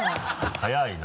早いな。